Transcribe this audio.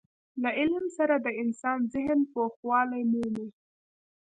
له علم سره د انسان ذهن پوخوالی مومي.